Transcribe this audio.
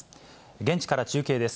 現地から中継です。